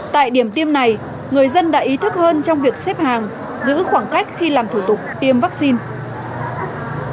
tại điểm tiêm này người dân đã ý thức hơn trong việc xếp hàng giữ khoảng cách khi làm thủ tục tiêm vaccine